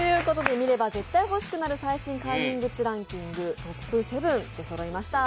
見れば絶対欲しくなる最新快眠グッズランキング、トップ７出そろいました。